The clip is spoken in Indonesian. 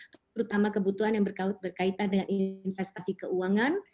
terutama kebutuhan yang berkaitan dengan investasi keuangan